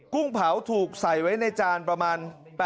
กุ้งเผาถูกใส่ไว้ในจานประมาณ